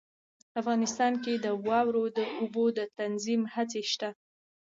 افغانستان کې د واورو د اوبو د تنظیم هڅې شته.